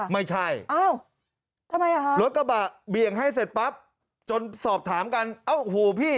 ไม่ใช่รถกระบะเบียงให้เสร็จปั๊บจนสอบถามกันเอ้าหูพี่